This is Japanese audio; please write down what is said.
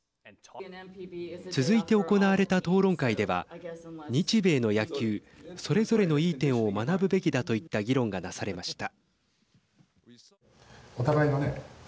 続いて行われた討論会では日米の野球、それぞれのいい点を学ぶべきだといった議論がなされました。